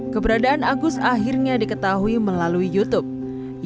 keberadaan agus akhirnya diketahui melalui youtube